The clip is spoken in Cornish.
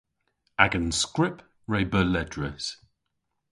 Agan skrypp re beu ledrys.